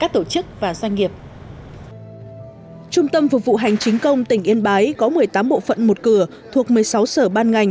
trung tâm phục vụ hành chính công tỉnh yên bái có một mươi tám bộ phận một cửa thuộc một mươi sáu sở ban ngành